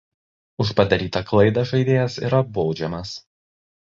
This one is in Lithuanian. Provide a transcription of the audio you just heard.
Už padarytą klaidą žaidėjas yra baudžiamas.